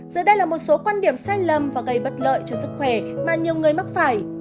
giờ đây là một số quan điểm sai lầm và gây bất lợi cho sức khỏe mà nhiều người mắc phải